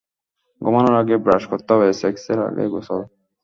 ঘুমানোর আগে ব্রাশ করতে হবে, সেক্সের আগে গোসল।